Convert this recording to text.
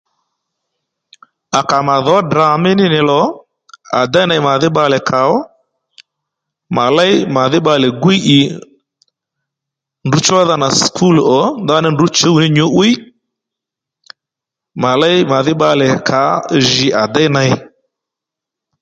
À kà mà dhǒ Ddrà mí ní nì lo à déy ney màdhí bbalè kà ó mà léy màdhí bbalè gwíy ì ndrǔ chódha nà skul ò ndaní ndrǔ chǔw ní nyǔ'wiy mà léy màdhí bbalè kǎ jǐ à déy ney